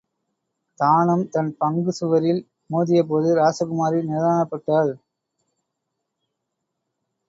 தானும் தன் பங்கு சுவரில் மோதியபோது ராசகுமாரி நிதானப்பட்டாள்.